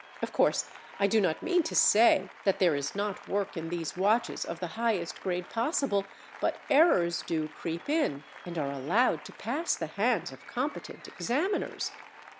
Of course I do not mean to say that there is not work in these watches of the highest grade possible, but errors do creep in and are allowed to pass the hands of competent examiners.